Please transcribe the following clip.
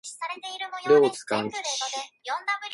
両津勘吉